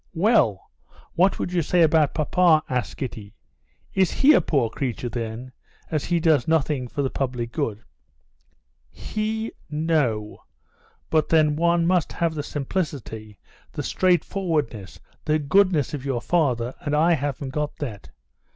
"Well, what would you say about papa?" asked Kitty. "Is he a poor creature then, as he does nothing for the public good?" "He?—no! But then one must have the simplicity, the straightforwardness, the goodness of your father: and I haven't got that.